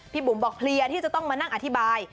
บุ๋มบอกเพลียที่จะต้องมานั่งอธิบาย